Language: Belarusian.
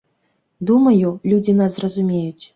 Думаю, людзі нас зразумеюць.